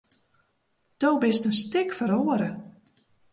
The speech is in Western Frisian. Do bist in stik feroare.